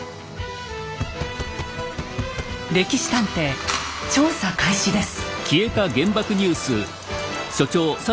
「歴史探偵」調査開始です。